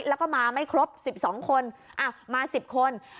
แล้วก็มาไม่ครบ๑๒คนมา๑๐คน